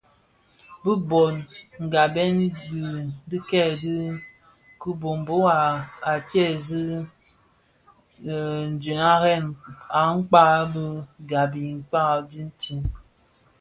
Bi bhon nghabèn dikèè di kiboboo a tsèzii diňarèn akpaň bi gba i kpak dhitin.